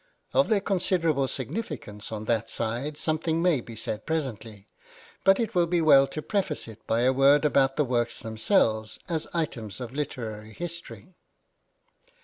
Of their considerable significance on that side something may be said presently ; but it will be well to preface it by a word about the works themselves as items of literary history.